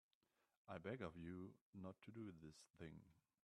I beg of you not to do this thing.